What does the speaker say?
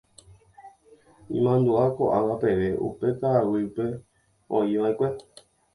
Imandu'a ko'ág̃a peve upe ka'aguy'ípe oikova'ekue.